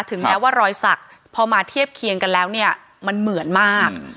แม้ว่ารอยสักพอมาเทียบเคียงกันแล้วเนี่ยมันเหมือนมาก